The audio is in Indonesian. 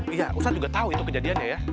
iya ustadz juga tahu itu kejadiannya ya